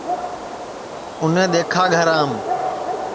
اُنیں دؔیکھا گھرام